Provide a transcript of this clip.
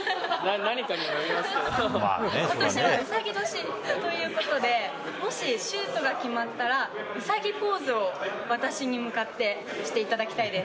ことしはうさぎ年ということで、もし、シュートが決まったら、うさぎポーズを私に向かってしていただきたいです。